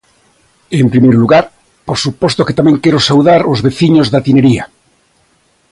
En primeiro lugar, por suposto que tamén quero saudar os veciños da Tinería.